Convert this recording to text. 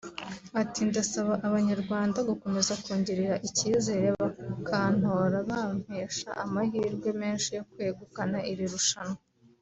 Ati “Ndasaba Abanyarwanda gukomeza kungirira icyizere bakantora bampesha amahirwe menshi yo kwegukana iri rushanwa